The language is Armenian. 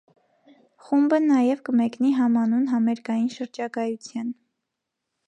Խումբը նաև կմեկնի համանուն համերգային շրջագայության։